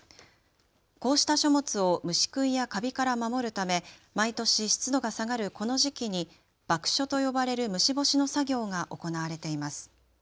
こうした書物を虫食いやかびから守るため毎年湿度が下がるこの時期にばく書と呼ばれる虫干しの作業が行われています。